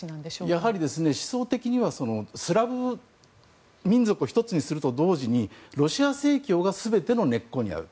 やはり、思想的にはスラブ民族を１つにすると同時にロシア正教が全ての根っこにある。